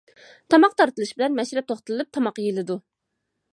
تاماق تارتىلىش بىلەن مەشرەپ توختىتىلىپ تاماق يېيىلىدۇ.